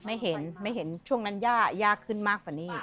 ไม่เห็นไม่เห็นช่วงนั้นยากยากขึ้นมากกว่านี้